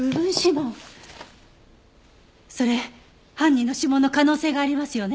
それ犯人の指紋の可能性がありますよね？